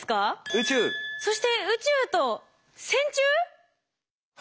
そして宇宙と線虫？